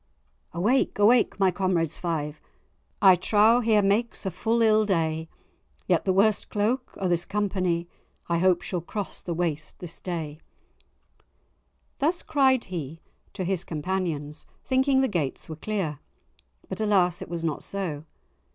"Awake, awake, my comrades five! I trow here makes a full ill day; Yet the worst cloak o' this company I hope shall cross the Waste this day," Thus cried he to his companions, thinking the gates were clear. But alas! it was not so.